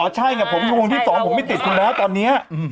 ใช่ไงผมชั่วโมงที่๒ผมไม่ติดคุณแล้วตอนนี้